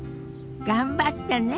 頑張ってね。